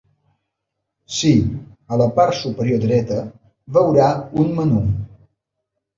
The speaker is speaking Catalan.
Si, a la part superior dreta veurà un menú.